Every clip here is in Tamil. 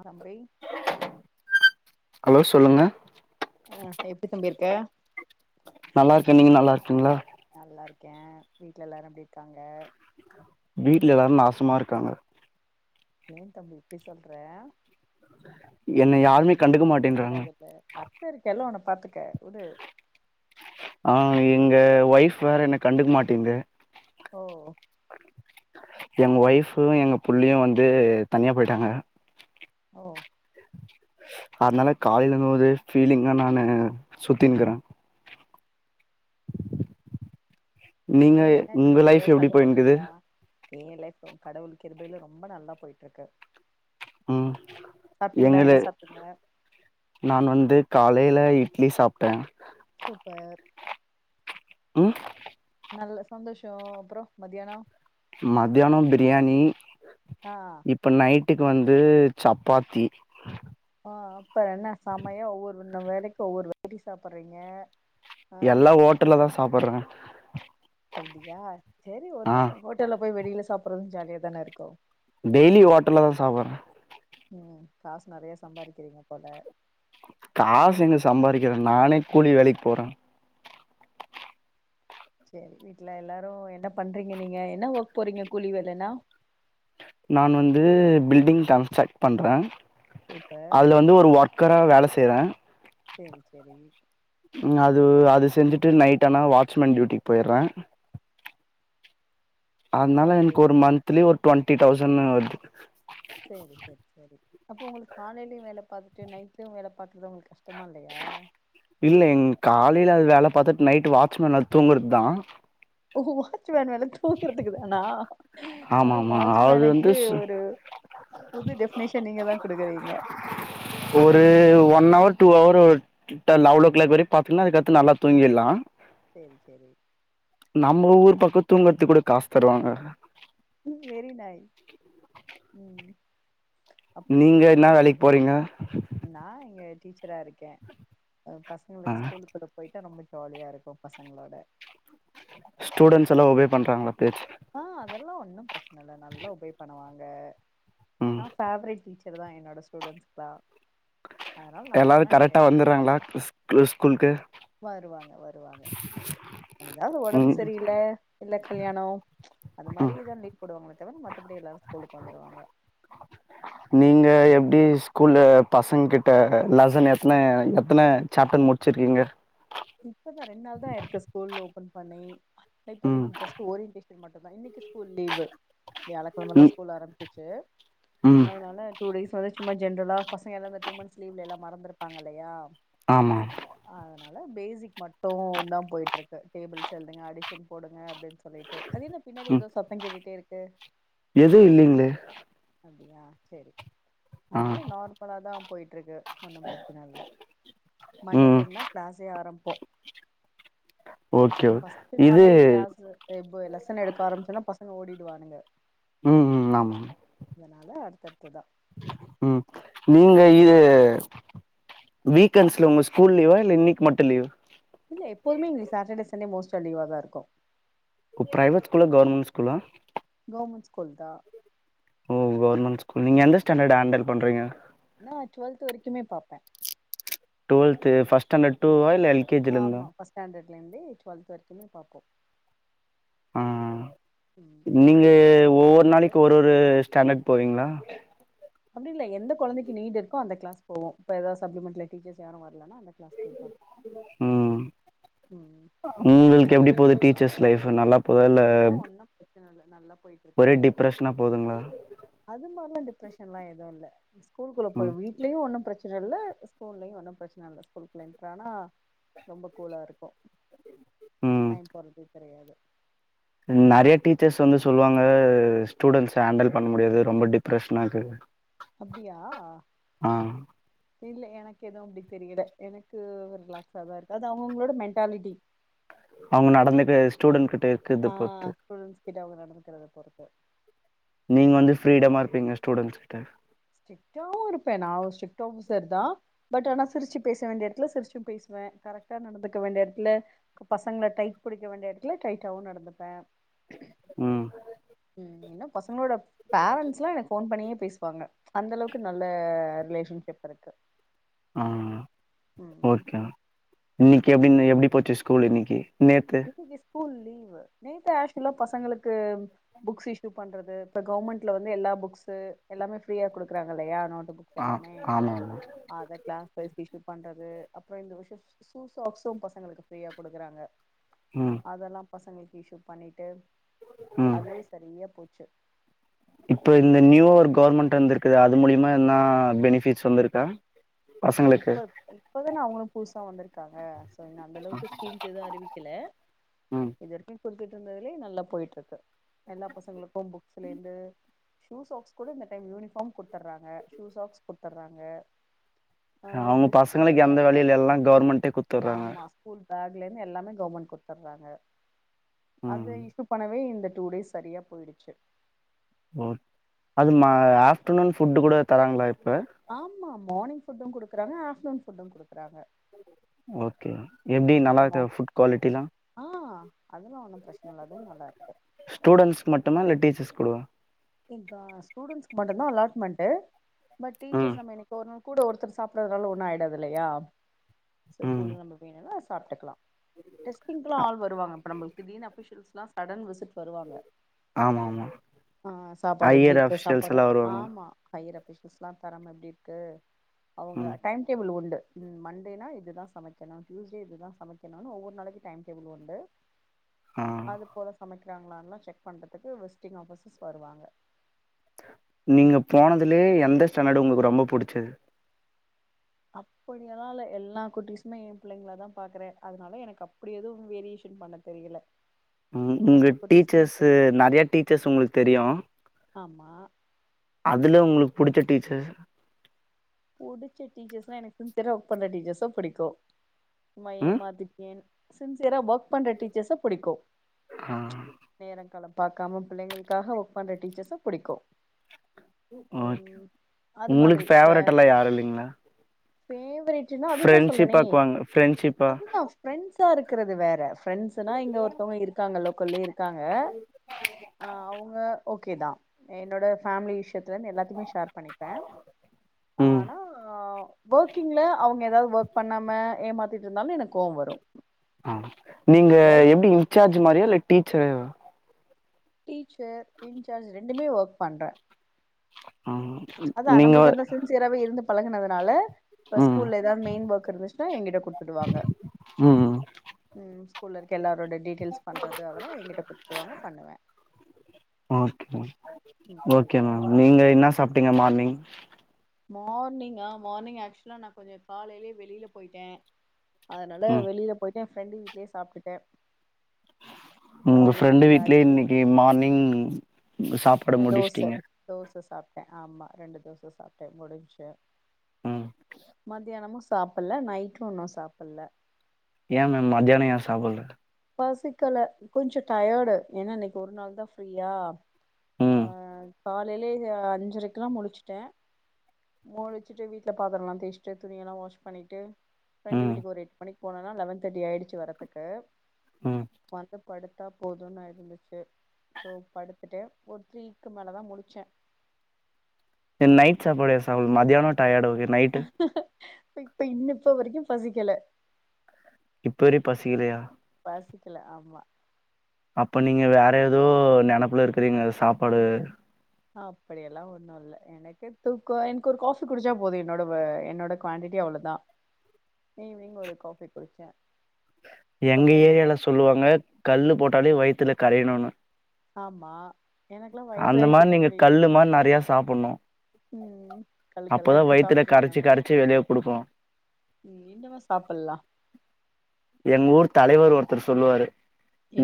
அறம் பெய் ஹலோ சொல்லுங்க ஆ எப்டி தம்பி யிருக்க நல்லா இருக்கே நீங்க நல்லா இருக்கீங்களா நல்லா இருக்கே வீட்ல எல்லாரு எப்புடி இருக்காங்க வீட்ல எல்லாரு நாசமா இருக்காங்க ஏ தம்பி இப்டி சொல்ற என்ன யாருமே கண்டுக்க மாட்டேன்றாங்க ப அத்த இருக்கல்ல உன பாத்துக்க உடு ஆ எங்க ஒய்ஃப் வேற என்ன கண்டுக்க மாட்டீங்குது ஓ எங்க ஒய்பு எங்க புள்ளையு வந்து தனியா போயிட்டாங்க ஓ அதுனால காலையில இருந்து ஓரே பீலிங்கா நானே சுத்திங்கிரே நீங்க ஏ உங்க என்னாச்சு ஃலைப் ஏதாவது எப்டி சண்ட போயின்க்கிது போட்டீங்களா ஏ லைப் கடவுள் கிருபையில ரொம்ப நல்லா போயிட்டு இருக்கு ம் சாப்ட்டீங்களா என்ன நீங்களே சாப்ட்டீங்க நான் வந்து காலையில இட்லி சாப்ட்டே சூப்பர் ம் நல்ல சந்தோஷோ அப்புறோ மதியானோ மத்தியானோ பிரியாணி ஆ இப்போ நைட்டுக்கு வந்து சப்பாத்தி ஆ அப்ற என்ன செமையா ஒவ்வொரு வேலைக்கி ஒவ்வொரு வெறடி சாப்பிடுறீங்க எல்லா ஓட்டல்ல தா சாப்பிட்றே அப்டியா சேரி ஒரு ஆ நாள் ஹோட்டல்ல போய் வெளியில சாப்புற்து ஜாலியா தானே இருக்கு டெய்லி ஓட்டல தா சாப்பரே ம் காசு நெறைய சம்பாரிக்கிறீங்க போல காசு எங்க சம்பாதிக்கிறே நானே கூலி வேலைக்கி போறே சேரி வீட்டுல எல்லாரு என்ன பண்றீங்க நீங்க என்ன ஒர்க் போறீங்க கூலி வேலன்னா நான்வந்து பில்டிங் கன்ஸ்ட்ரக்ட் பண்றே சூப்பர் அதுல வந் து ஒரு ஒர்க்கரா வேல செய்றே செரி செரி அது அது செஞ்சுட்டு நைட் ஆனா வாட்ச்மேன் டியூட்டிக்கு போயிட்றே அதுனால ஓகே எனக்கு ஒரு மந்த்லி ஒரு டுவெண்ட்டி தௌசண் வர்து சேரி செர் சேரி அப்போ உங்களுக்கு காலையிலயு வேல பாத்துட்டு நைட்லயு வேல பாத்றது உங்களுக்கு கஷ்டமா இல்லயா இல்ல எங்க காலையில அது வேல பாத்துட் நைட் வாட்ச்மேன் வேல தூங்கற்து தா வாச்சமன் வேல தூக்குறதுக்கு தானா ஆமா ஆமா அது வந்து வாட்ச்மேனுக்கு ஒரு புது டெஃபினேஷன் நீங்க தா கொடுக்குறீங்க ஒரு ஒன் அவரு டூ அவரு கிட்ட லவல் ஓ கிளாக் வர பாத்தீக்கனு அதுக்கத்து நல்லா தூங்கிட்லா சேரி சேரி இப்போ நம்ம ஊர் பக்கோ தூங்கற்த்துகு கூட காசு தருவாங்க ம் வெறி நைஸ் ம் அப் நீங்க என்னா வேலைக்கி போறீங்க நா இங்கே டீச்சரா இருக்கே ஆ பசங்களுக்கு ஸ்கூலுக்கு போயிட்டா ரொம்ப ஜாலியா இருக்கு பசங்களோட ஸ்டூடெண்டஸ்ல்லா ஒபே பண்றங்களா பேச்சு ஆ அதெல்லா ஒன்னும் பிரச்சனை இல்ல நல்லா ஒபே பண்ணுவாங்க ம் நா ப்வேரேட் டீச்சர் தா என்னோட ஸ்டூடென்ஸ்க்கலா எல்லாரு கரெக்டா வந்துறாங்களா ஸ்கூல்லுகு வருவாங்க வருவாங்க ஏதாவது ம் உடம்பு சரில இல்ல கல்யாணம் அந்த ம் மாரிதா லீவு போடுவாங்களே தவிர மத்தபடி எல்லாரு ஸ்கூலுக்கு வந்துடுவாங்க நீங்க எப்டி ஸ்கூல்ல பசங்க கிட்ட லெசன் எத்தன எத்தன சாப்டர் மு சேரிங்க இப்பதா ரெண்டு நாள் தாருக்கு ஸ்கூல் ஓபன் பண்ணி ம் இப்போதைக்கு ஜஸ்ட்டு ஒரு [unintelligible] மட்டும் தா இன்னைக்கு ஸ்கூல் லீவு வியாழக்கெழமை தா ம் ஸ்கூல் ஆரம்பிச்சு ம் அதனால டூ டேஸ்வந்து சும்மா ஜென்ரலா பசங்க எல்லா டூ மஸ்லீவ்ல எல்லா மறந்துருப்பாக இல்லையா ஆமா அதனால பேசிக் மட்டும் தா போயிட்டு இருக்கு டேபிள் டெபுல்ஸ் எழுதுங்க அடிஷன் போடுங்க அப்டின்னு சொல் லிட்டு அது என்ன பின்னாடி ஏதோ சத்தம் கேட்டுட்டே இருக்கு எதுவு இல்லைங்களே அப்டியா சேரி ஆ அதனால நார்மலா தா போயிட்டுருக்கு ஒன்னும் பிரச்சன இல்ல ம் மண்டேயால இருந்துதா க்ளாசே ஆரம்பப்போ ஓகே ஃப்ஸ்ட் இது நாளே க்ளாஸ் லெசன் எடுக்க ஆரம்பிச்சுன்னா பசங்க ஓடிடுவானுங்க ம் ம் ஆமா ஆமா அதனால அடுத்தடுத்து தா ம் நீங்க இது வீக்கேண்ட்ஸ்ல உங்க ஸ்கூல் லீவு இன்னை மட்டும் லீவு இல்ல எப்போமே இங்க சாட்டேடே சண்டே மோஸ்டா லீவாக தா இருக்கு பிரைவேட் ஸ்கூலா கவர்மெண்ட் ஸ்கூலா கவர்மெண்ட் ஸ்கூல் தா ம் கேவர்மெண்ட் ஸ்கூல் நீ எந்த ஸ்டாண்டர்ட் ஹேண்டல் பண்றீங்க நா டுவல்த் வரைக்குமே பாப்பே டுவெல்து ஃப்ஸ்டாண்டர் டுவா இல்ல எல் கே ஜில இருந்தா ஸாண்டர்ட்லந்து டுவெல்த் வரைக்கும்மே பாப்போ ம் ம் ம் எங்க ஸ்கூல்ல எல்லா கிளாஸ்மே இருக்கு ம் ஸ்டாண்டர்ட் போவீங்களா அப்டி இல்ல எந்த கொழந்தைக்கு நீடு இருக்கோ அந்த கிலாஸ் போவோம் இப்ப ஏதாவது சப்ளிமெண்ட்ல ட்ரைனி டிச்சர்ஸ் யாரும் வரலனா கிளாஸ் போப்பாங்க ம் ம் உங்களுக்கு எப்டி போகுது டீச்சர்ஸ் லைஃப் எல்லா இதெல்லா ஒன்னு பிரச்சனை இல்ல நல்லா போயிட்டு இருக்கு ஒரே டிப்பரஷனா போகுதுங்களா அது மாரிலா டிப்ரஷன்லா எதுவு இல்ல ஸ்கூல் குள்ள போய் ம் வீட்லயு ஒன்னு பிரச்சன இல்ல ஸ்கூல்லயு ஒன்னு பிரச்சன இல்ல ஸ்கூல் குள்ள ஆனா ரொம்ப கூலா இருக்கு ம் டைம் போறதே தெரியாது நெறைய டீச்சர்ஸ் வந்து சொல்லுவாங்க ஸ்டூடெண்ட்ஸ ஹேண்டல் பண்ண முடியாது ரொம்ப டிப்ரெஷனா இருக்கு அப்டியா இல்ல எனக்கு எதும் அப்டி தெரியல எனக்கு ரிலாக்ஸ்தா இருக்கு அது அவங்க அவங்களோட மென்டாலிட்டி அவங்க நடந்துட்டு ஸ்டூடெண்ட் கிட்ட இருக்குது ஆ பொறுத்து ஸ்டூடெஸ் கிட்ட அவங்க நடந்துக்குறத பொறுத்து நீங்க வந்து ஃப்ரீட மா இருப்பீங்களா ஸ்டூடண்ட்ஸ் கிட்ட ஸ்ட்ரிக்ட்டாவு இருப்பே நா ஒரு ஸ்ட்ரிக் ஆஃபீஸர்தா பட் ஆனா சிரிச்சு பேச வேண்டிய எடத்துல சிரிச்சும் பேசுவே கரெக்டா நடந்துக்க வேண்டிய எடத்துல பசங்கள டைட் புடிக்க வேண்டிய எடத்துல டைட்டாவு நடந்துப்பே ம் ம், என்ன பசங்களோட பேரன்ட்ஸ் எல்லா எனக்கு ஃபோன் பண்ணியே பேசுவாங்க அந்த அளவுக்கு நல்ல ரிலேஷன்ஷிப் இருக்கு ஆ ம் ஓகே இன்னைக்கி எப்டி எப்டி போச்சு ஸ்கூல் இன்னைக்கி நேத்து இன்னைக்கி ஸ்கூல் லீவு, நேத்து ஆக்ஸ்சுல பசங்களுக்கு புக்ஸ் இஷ்யூ பண்றது இப்ப கவுன்மெண்ட்ல வந்து எல்லா புக்ஸ் எல்லாமே ஃப்ரியா குடுக்குறாங்க இல்லயா நோட்டு புக் இது ஆ எல்லாமே ஆமா ஆமா அத கிளாஸ் வைஸ் இஷ்யு பண்றது அப்றோ இந்த வருஷம் ஷூ சாக்ஸ் பசங்களுக்கு ஃப்ரீயா குடுக்குறாங்க ம் அதெல்லா பசங்களுக்கு இஷ்யூ பண்ணிட்டு ம் அதுவே சரியா போச்சு இப்போ இந்த நியூவா ஒரு கவர்மெண்ட் வந்திருக்குது அது மூலியமா எதுனா பெனிஃபிட்ஸ் வந்திருக்கா பசங்களுக்கு இப்ப இப்பதான அவங்களு புதுசா வந்திருக்காங்க சோ இன்னு அந்த அளவுக்கு ஸ்கீம் எதும் அறிவிக்கல ம் இதுவரைக்கு குடுத்துட்டு இருந்ததுலயே நல்லா போயிட்டு இருக்கு எல்லா பசங்களுக்கு புக்ஸ்லேந்து ஷூ சாக்ஸ் கூட இந்த டைம் யூனிஃபார்ம் குடுத்துட்றாங்க ஷூ சாக்ஸ் குடுத்துட்றாங்க அவங்க பசங்களுக்கு எந்த வேலையு இல்ல எல்லா கவர்மெண்ட்டே குடுத்துட்றாங்க ஆமா ஸ்கூல் பேக்லேந்து எல்லாமே கவர்மெண்ட் குடுத்துட்றாங்க அது ம் இஷ்யு பண்ணவே இந்த டூ டேஸ் சரியா போயிடுச்சு ஓ அது மா ஆஃப்டர்நூன் ஃபுட்டு கூட தராங்களா இப்ப ஆமா மார்னிங் ஃபுட்டும் குடுக்குறாங்க ஆப்டர்நூன் ஃபுட்டும் குடுக்குறாங்க ஓகே எப்டி நல்லா இருக்கா ம் ஃபுட் குவாலிட்டிலா ஆ அதெல்லா ஒண்ணு பிரச்சனை இல்ல அதுவு நல்லா இருக்கு ஸ்டூடெண்ட்ஸ் மட்டுமா இல்ல டீச்சர்ஸ் கூடவா இங்க கா ஸ்டூடெண்ஸ்க்கு மட்டும்தா அலாட்மெண்ட்டு பட் ம் டீச்சர்ஸ் நம்ப என்னைக் கோ ஒரு நாள் கூட ஒருத்தர் சாப்பிட்றதுனால ஒன்னு ஆகிடாது இல்லையா சோ ம் கூட நம்ம வேணுனா சாப்ட்டுக்கலா டெஸ்டிங்க்கு எல்லா ஆள் வருவாங்க இப்ப நம்பளக்கு திடீர்னு அஃபிஷியல்லா ஷடன் விசிட் வருவாங்க ஆமா ஆமா ஆ சாப்பாடு எப்டி ஹையர் இருக்கு அஃபிஷியல்ஸ் சாப்பாட எல்லா வருவாங்க ஆமா ஹையர் அஃபிஷியல்ஸ்லா தரம் எப்டி இருக்கு அவங்க ம் டைம் டேபிள் உண்டு ம் மண்டேனா இதுதா சமைக்கணு டியூஸ்டே இதுதா சமைக்கணு ஒவ்வொரு நாளைக்கு டைம் டேபிள் உண்டு ஆ அது போல சமைக்கிறாங்களானுல்லா செக் பண்றதுக்கு விசிட்டிங் ஆபீசர்ஸ் வருவாங்க நீங்க போனதுலேே எந்த ஸ்டாண்டர்டு உங்களுக்கு ரொம்ப புடிச்சது அப்படியெல்லா இல்ல எல்லா குட்டிஸுமே என் பிள்ளைங்களாதா பாக்குறே அதனால எனக்கு அப்டி எதும் வேரியேன் பண்ண தெரியல உங்க எல்லா குட்டீஸுமே டீச்சர்ஸு பிடிக்கு நறைய டீச்சர்ஸ் உங்களுக்கு தெரியு ஆமா அதுல உங்களுக்கு புடிச்ச டீச்சர்ஸ் புடிச்ச டீச்சர்ஸ்னா எனக்கு சின்சியரா வர்க் பண்ற டீச்சர்ஸ்ஸ புடிக்கு சும்மா ம் ஏமாத்திட்டு என் சின்சியரா ஒர்க் பண்ற டீச்சர்ஸ புடிக்கு ம் நேரோ காலோ பாக்காம பிள்ளைங்களுக்காக ஒர்க் பண்ற டீச்சர்ஸ புடிக்கு ஓகே ம் அது உங்களுக்கு மாதிரி இப்ப ஃபேவரட் எல்லா யாரு இல்லிங்ளா பேவரட்டுனா அதுதா சொல்றனே ஃப்ரெண்ட்ஷிப்பாக்குவாங்க ஃப்ரெண்ட்ஷிப்பா அதுதா ஃப்ரெண்ட்ஸா இருக்கறது வேற ஃப்ரெண்ட்ஸ்ஸுனா இங்க ஒருத்தவங்க இருக்காங்க லோக்கல்லே இருக்காங்க அ அவுங்க ஓகே தா என்னோட ஃபேமிலி விஷயத்துலருந்து எல்லாத்தையுமே ஷேர் பண்ணிப்பே ம் ஆனா ஒர்க்கிங்ல அவங்க எதாவது ஒர்க் பண்ணாம ஏமாத்திட்ருந்தாலு எனக்கு கோவோ வரு ஆ நீங்க ஒர்க் எப்டி இன்சார்ஜ் மாரியா இல்ல டீச்சரேவா டீச்சர் இன்சார்ஜ் ரெண்டுமே ஒர்க் பண்றே ம் அதா நீங்க நம்பளுக்கு அந்த சின்சியராவே இருந்து பழகுனதுனால இப்ப ம் ஸ்கூல்ல எதாவது மெயின் ஒர்க் இருந்துச்சுன்னா எங்கிட்ட கூடுத்துடுவாங்க ம் ம் ஸூகூல்ல இருக்க எல்லாரோட டீட்டெயில்ஸ் பண்ணறது அதல்லா எங்கிட்ட குடுத்துருவாங்க பண்ணுவே ஓகே ம் ஓகே மேம் நீங்க என்ன சாப்ட்டீங்க மார்னிங் மார்னிங்கா மார்னிங் ஆக்சுவலா நா கொஞ்சோ காலையிலயே வெளில போயிட்டே அதனால ம் வெளில போயிட்டு எ ஃப்ரெண்டு வீடுலயே சாப்டுட்ட உங்க ஃப்ரெண்ட் அங்க வீட்லயே ஆச்சு இன்னிக்கு மார்னிங் சாப் அ தோச தோச சாப்ட ஆமா ரெண்டு தோச சாப்ட முடிஞ்ச்சு ம் மத்தியானமு சாப்பல்ல நைட்டு இன்னு சாப்பல்ல ஏ மேம் மத்தியானோ ஏ சாப்புல்ல பசிக்கல கொஞ்சோ டயர்டு ஏன்னா இன்னைக்கு ஒரு நாள் தா ஃப்ரீயா அ ம் காலையிலே அ அஞ்சரைக்குலா முழுச்ட்டே முழிச்சிட்டு வீட்ல பாத்தரோலா தேச்ட்டு துணிய எல்லா வாஷ் பண்ணீட்டு ஃப்ரெண்ட் ம் வீட்டுக்கு ஒரு எட்‌ மணிக்கு போனனா லெவன் தேர்டி ஆயிடுச்சு வரத்துக்கு ம் வந்து படுத்தா போதுன் இருந்துச்சு சோ படுத்துட்டு ஒரு த்ரீ க்கு‌ மேலதா முழிச்சே தென் நைட் சாப்பாடு ஏ சாப் மத்தியானோ டயர்ட்‌ ஓகே நைட்டு இப்ப இன் இப்ப வரைக்கு பசிக்கல இப்ப வரையூ பசிக்கலையா பசிக்கல ஆமா அப்ப நீங்க வேற எதோ நெனப்புல இருக்கறீங்க சாப்பாடு அப்படியெல்லா ஒண்ணு இல்ல எனக்கே தூக்கோ எனக்கு ஒரு காபி குடிச்சா போது என்னோட வெ என்னோட குவாடிட்டி அவ்ளோ தா ஈவினிங் ஒரு காபி குடிச்ச எங்க ஏரியால சொல்லுவாங்க கல்லு போட்டாலே வயித்துல கரையணுன்னு ஆமா எனக்குல்லா அந்த வயசாயிடுச்சு மாறி நீங்க தம்பி கல்லு மார் நறையா சாப்பண்ணு ம் கல்லுக்கெல்லா அப்பதா எடுத்து வயித்துல சாப்ட்ருவோ கரச்சு நம்ம கரச்சு வெளிய குடுக்கு ம் இன்னமா சாப்பல்லா எங் ஊர் தலைவர் ஒருத்தரு சொல்லுவாரு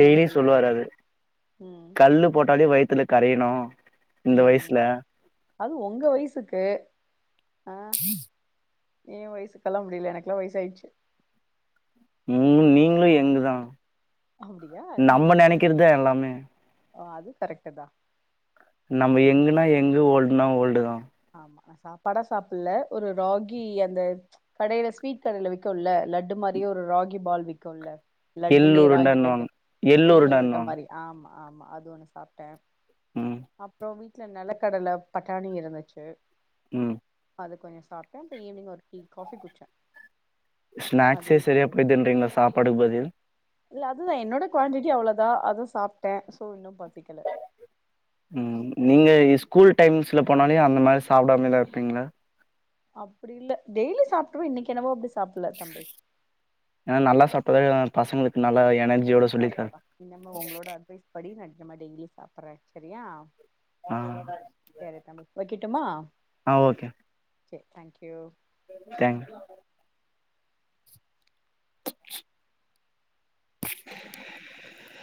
டெய்லியு சொல்லுவாரு அது ம் கல்லு போட்டாலியு வயித்துல கரையணு இந்த ம் வயசுல அது ஒங்க வயசுக்கு அ ஏ வயசுக்கல்லா அப்டி இல்ல எனக்ல்லா வயச்யாயிச்சு ம் நீங்ளு யங்கு தா அப்டியா நம்ம நெனைக்றதுதா எல்லாமே ஓ அது கரெக்ட்டு தா நம்ம ம் யங்குனா யங்கு ஓல்டுனா ஓல்டு தா ஆமா சாப்பாடா சாப்புல ஒரு ராகி அந்த கடைல ஸ்வீட் கடைல விக்குல லட்டு மாறி ஒரு ராகி பால் விக்குல எள்ளு லட்டுலே ராகி லட்டு உருண்டன்னுவாங்க எள்ளு எள்ளுருண்ட உருண்டன்னுவாங்க மாரி ஆமா ஆமா அது ஒன்னு சாப்டே ம் அப்றோ வீட் ல நெல கடல பட்டாணி இருந்துச்சு ம் அது கொஞ்சோ சாப்டே அப்ப ஈவ்னிங் ஒரு டீ காபி குட்சசே ஸ்நாக்ஸே சரியா போய்தின்றிங்ளா சாப்பாடுக்கு பதில் இல்ல அதுதா என்னோட குவான்டிட்டி அவ்ளோதா அது சாப்ட்டே ஸோ இன்னு பசிக்கல ம் நீங்க இஸ்கூல் டைம்ஸ்ல போனாலே அந்த மாரி சாப்டாமதா இருப்பீங்ளா அப்டி இல்ல டெய்லி சாப்ட்டுருவே இன்னைக்கு என்னவோ அப்டி சாப்புல தம்பி ஏன்னா நல்லா சாப்ட்டா தா பசங்களுக்கு நல்லா இந்த எனர்ஜியோட மாச சொல்லி சாப்புற தர தா இனிமே ஒங்களோட அட்வைஸ் படி நா அதிகமா டெய்லி சாப்புறே செரியா ஆ சேரி தம்பி வைக்கட்டுமா ஆ okay sir thank you thank [inaudible]